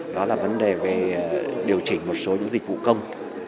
đó là vấn đề về điều chỉnh một số những dịch vụ công